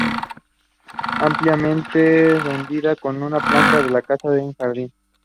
Ampliamente vendida como una planta de la casa o el jardín.